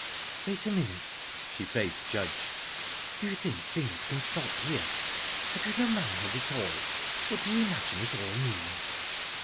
"Wait a minute!..." She faced Judge. "Do you think things can stop here? Have you no manhood at all? What do you imagine it all means?"